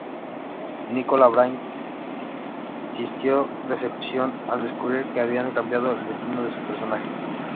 Nicola Bryant sintió decepción al descubrir que habían cambiado el destino de su personaje.